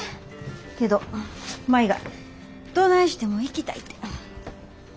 けど舞がどないしても行きたいて。